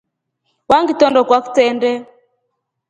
Wangitrendokwa kitrende.